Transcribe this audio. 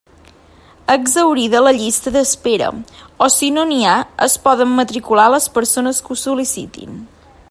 Exhaurida la llista d'espera o si no n'hi ha, es poden matricular les persones que ho sol·licitin.